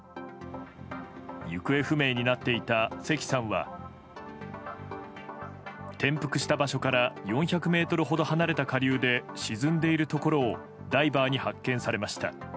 行方不明になっていた関さんは転覆した場所から４００ｍほど離れた下流で沈んでいるところをダイバーに発見されました。